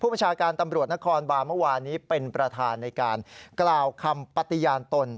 ประชาการตำรวจนครบานเมื่อวานนี้เป็นประธานในการกล่าวคำปฏิญาณตน